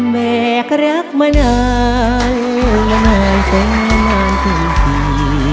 แม่ก็รักมานานและหน่อยแต่น้ำตื่นที่